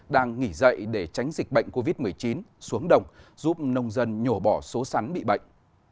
đang nghỉ dậy để tránh dịch bệnh covid một mươi chín xuống đồng giúp nông dân nhổ bỏ số sắn bị bệnh